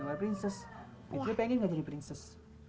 gambar prinses fitri pengen nggak jadi prinses